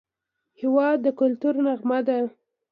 هېواد د کلتور نغمه ده.